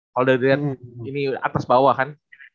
kalau dari atas bawah kan